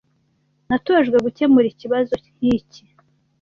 Natojwe gukemura ikibazo nkiki.